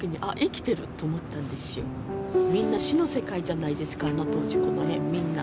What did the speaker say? みんな死の世界じゃないですかあの当時この辺みんな。